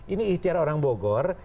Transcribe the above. ini ihtiar orang bogor